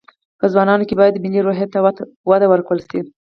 په ځوانانو کې باید ملي روحي ته وده ورکړل شي